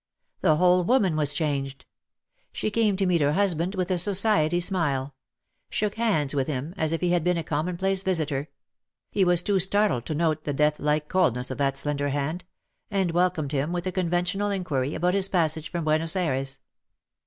The whole woman was changed. She came to meet her husband with a Society smile ; shook hands with him as i£ he had been a commonplace visitor — he was too startled to note the death like coldness of that slender hand — and welcomed him with a con ventional inquiry about his passage from Buenos Ayres.